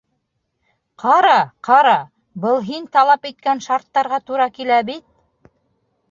Ҡара, ҡара, был һин талап иткән шарттарға тура килә бит!